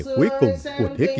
cuối cùng của thế kỷ hai mươi